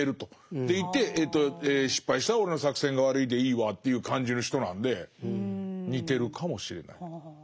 でいて失敗したら俺の作戦が悪いでいいわという感じの人なんで似てるかもしれない。